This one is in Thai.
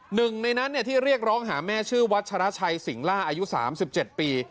หนึ่งในนั้นที่เรียกร้องหาแม่ชื่อวัชราชัยสิงล่าอายุ๓๗ปี